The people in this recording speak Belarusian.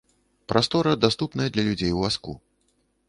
Прастора даступная для людзей у вазку.